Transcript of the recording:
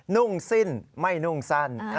นุ่งสิ้นไม่นุ่งสั้น